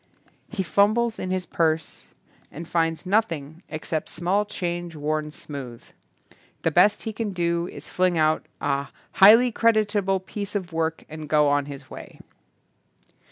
He fumbles in his purse and finds nothing except small change worn smooth. The best he can do is to fling out a "highly creditable piece of work" and go on his way.